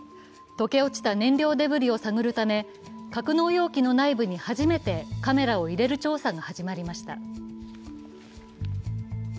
溶け落ちた燃料デブリを探るため格納容器の内部に初めてカメラを入れる調査が始まりました。